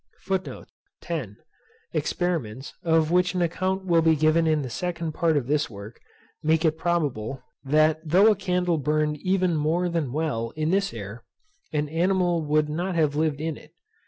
FOOTNOTES: Experiments, of which an account will be given in the second part of this work, make it probable, that though a candle burned even more than well in this air, an animal would not have lived in it.